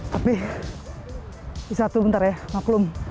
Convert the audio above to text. tapi bisa tuh bentar ya maklum